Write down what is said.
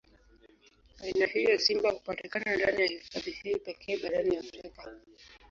Aina hii ya simba hupatikana ndani ya hifadhi hii pekee barani Afrika.